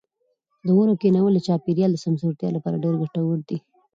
د ونو کښېنول د چاپیریال د سمسورتیا لپاره ډېر ګټور دي.